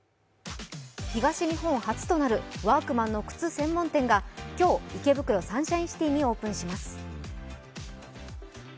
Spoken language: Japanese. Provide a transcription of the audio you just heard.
東日本初となるワークマンの靴専門店が今日、池袋サンシャインシティにオープンします。